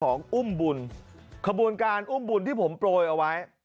อุ้มบุญขบวนการอุ้มบุญที่ผมโปรยเอาไว้